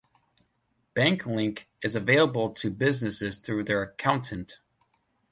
BankLink is available to businesses through their accountant.